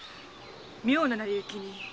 妙ななりゆきに。